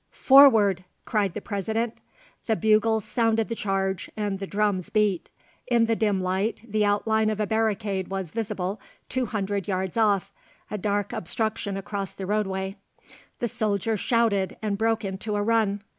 "Forward!" cried the President. The bugles sounded the charge and the drums beat. In the dim light the outline of a barricade was visible two hundred yards off, a dark obstruction across the roadway. The soldiers shouted and broke into a run.